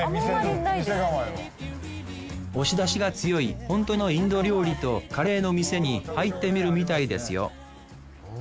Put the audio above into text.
押し出しが強いほんとのインド料理とカレーの店に入ってみるみたいですよ